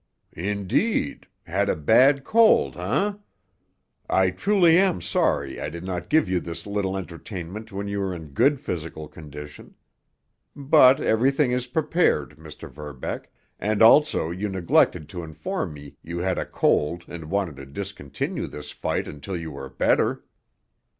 "Indeed? Had a bad cold, eh? I truly am sorry I did not give you this little entertainment when you were in good physical condition. But everything is prepared, Mr. Verbeck, and also you neglected to inform me you had a cold and wanted to discontinue this fight until you were better."